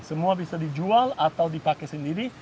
semua bisa dijual atau dipakai sendiri